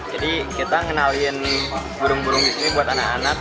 jadi kita ngenalin burung burung di sini buat anak anak